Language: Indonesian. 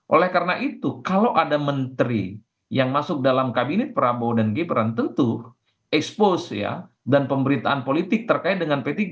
oleh karena itu kalau ada menteri yang masuk dalam kabinet prabowo dan gibran tentu expose ya dan pemberitaan politik terkait dengan p tiga